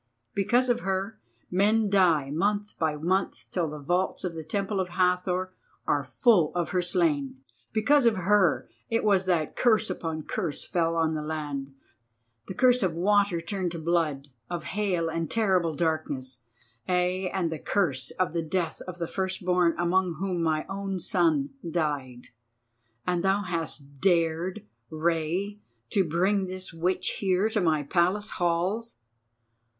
Because of her, men die month by month till the vaults of the Temple of Hathor are full of her slain. Because of her it was that curse upon curse fell on the land—the curse of water turned to blood, of hail and of terrible darkness, ay, and the curse of the death of the firstborn among whom my own son died. And thou hast dared, Rei, to bring this witch here to my Palace halls!